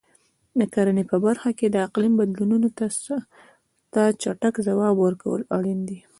د کرنې په برخه کې د اقلیم بدلونونو ته چټک ځواب ورکول اړین دي.